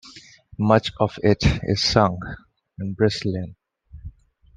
Much of it is sung in Bristolian.